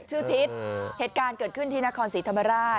ทิศเหตุการณ์เกิดขึ้นที่นครศรีธรรมราช